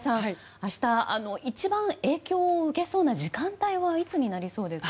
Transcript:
明日、一番影響を受けそうな時間帯はいつになりそうですか？